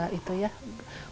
irfan lebih seperti apa